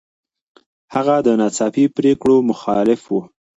هغه د ناڅاپي پرېکړو مخالف و.